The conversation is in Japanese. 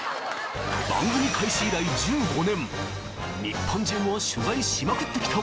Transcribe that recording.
番組開始以来１５年日本中を取材しまくってきた